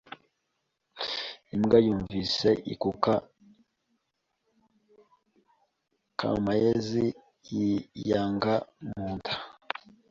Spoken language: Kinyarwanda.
Imbwa yumvise akuka k'amayezi biyanga mu nda